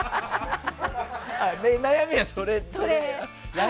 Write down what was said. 悩みはそれ？